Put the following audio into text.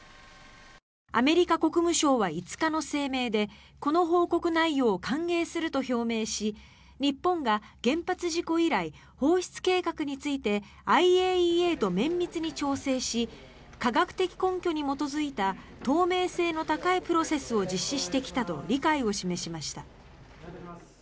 アメリカ国務省は５日の声明でこの報告内容を歓迎すると表明し日本が原発事故以来放出計画についてＩＡＥＡと綿密に調整し科学的根拠に基づいた透明性の高いプロセスを実施してきたと理解を示しました。